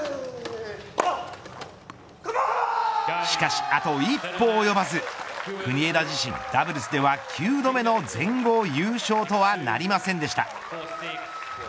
しかし、あと一歩及ばず国枝自身、ダブルスでは９度目の全豪優勝とはなりませんでした。